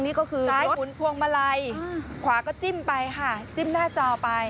นี่ก็คือซ้ายขุนพวงมาลัยขวาก็จิ้มไปค่ะจิ้มหน้าจอไป